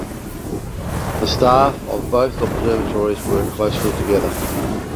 The staff of both observatories work closely together.